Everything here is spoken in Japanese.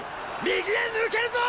右へ抜けるぞ！